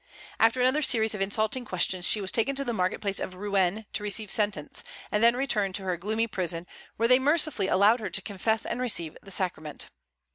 After another series of insulting questions, she was taken to the market place of Rouen to receive sentence, and then returned to her gloomy prison, where they mercifully allowed her to confess and receive the sacrament.